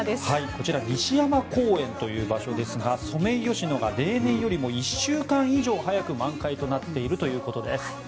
こちら西山公園という場所ですがソメイヨシノが例年よりも１週間以上早く満開となっているということです。